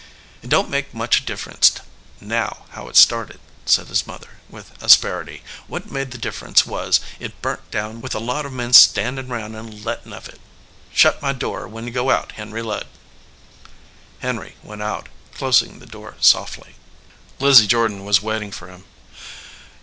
"It don t make much difference now how it started," said his mother, with asperity. "What made the difference was, it burnt down with a lot of men standin round and lettin of it. Shut my door when you go out, Henry Ludd." Henry went out, closing the door softly. Lizzie Jordan was waiting for him.